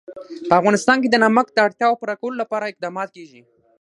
په افغانستان کې د نمک د اړتیاوو پوره کولو لپاره اقدامات کېږي.